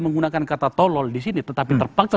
menggunakan kata tolol di sini tetapi terpaksa